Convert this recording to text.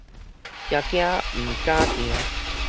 驚驚毋敢行